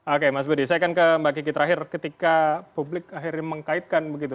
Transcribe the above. oke mas budi saya akan kembali ke terakhir ketika publik akhirnya mengkaitkan begitu